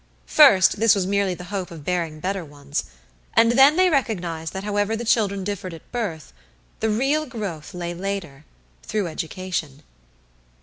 First this was merely the hope of bearing better ones, and then they recognized that however the children differed at birth, the real growth lay later through education.